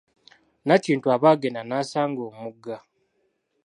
Nakintu aba agenda n'asanga omugga.